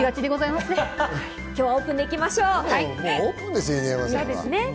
今日はオープンで行きましょう。